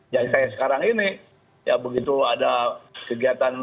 jadi saya sekarang ini ya begitu ada kegiatan